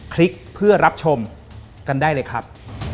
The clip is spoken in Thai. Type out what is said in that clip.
คลิกเพื่อรับชมกันได้เลยครับ